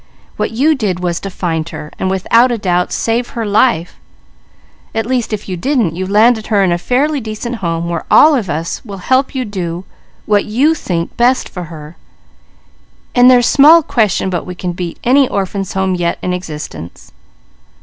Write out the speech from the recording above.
"What you did was to find her, and without a doubt, save her life; at least if you didn't, you landed her in a fairly decent home where all of us will help you do what you think best for her; and there's small question but we can beat any Orphans' Home yet in existence.